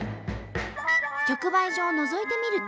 直売所をのぞいてみると。